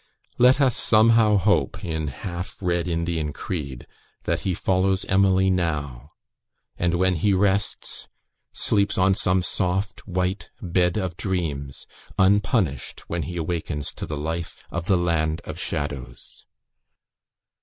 Let us somehow hope, in half Red Indian creed, that he follows Emily now; and, when he rests, sleeps on some soft white bed of dreams, unpunished when he awakens to the life of the land of shadows.